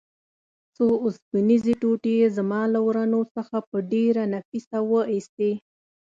څو اوسپنیزې ټوټې یې زما له ورنو څخه په ډېره نفیسه وه ایستې.